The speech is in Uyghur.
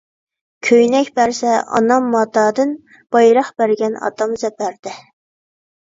كۆينەك بەرسە ئانام ماتادىن، بايراق بەرگەن ئاتام زەپەردە.